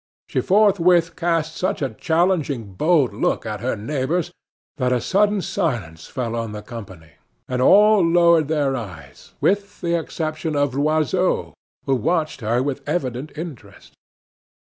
She forthwith cast such a challenging, bold look at her neighbors that a sudden silence fell on the company, and all lowered their eyes, with the exception of Loiseau, who watched her with evident interest.